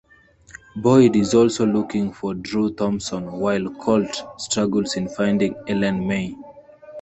Boyd is also looking for Drew Thompson while Colt struggles in finding Ellen May.